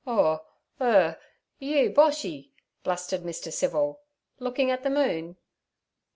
'Oh, ur, you Boshy?' blustered Mr. Civil; 'looking at the moon?'